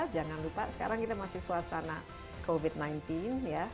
jangan lupa sekarang kita masih suasana covid sembilan belas ya